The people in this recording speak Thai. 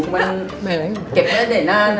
เก็บได้ไหนต่าง